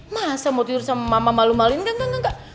masa mau tidur sama mama malu maluin gak gak gak gak